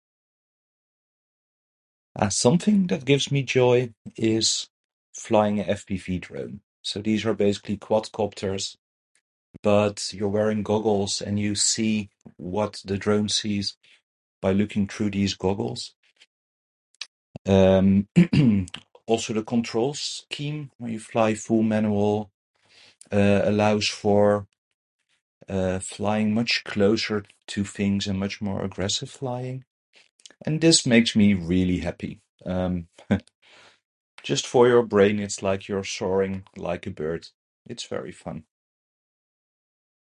Uh, something that gives me joy is flying a FPV drone. So these are basically quadcopters. But you're wearing goggles, and you see what the drone sees by looking through these goggles. Um, also the control scheme, when you fly full manual, uh, allows for, uh, flying much closer to things and much more aggressive flying. And this makes me really happy. Um, just for your brain, it's like you're soaring like a bird. It's very fun.